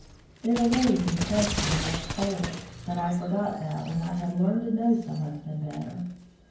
Their ways impressed me as cold, but I forgot that when I had learned to know some of them better.